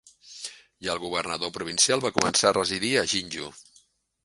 I el governador provincial va començar a residir a Jinju.